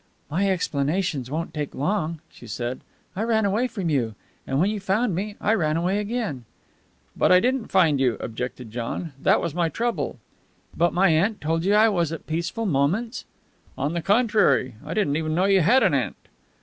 "My explanations won't take long," she said. "I ran away from you. And, when you found me, I ran away again." "But I didn't find you," objected John. "That was my trouble." "But my aunt told you I was at Peaceful Moments!" "On the contrary, I didn't even know you had an aunt."